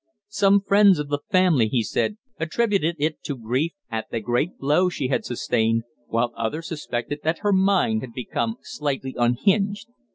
Some friends of the family, he said, attributed it to grief at the great blow she had sustained, while others suspected that her mind had become slightly unhinged.